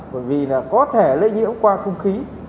bởi vì là có thể lây nhiễm qua không khí